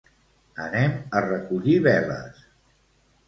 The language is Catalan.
Anem a recollir veles